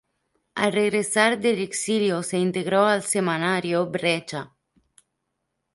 Al regresar del exilio se integró al semanario "Brecha".